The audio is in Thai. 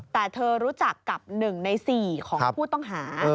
แต่เธอรู้จักกับหนึ่งในสี่ของผู้ต้องหา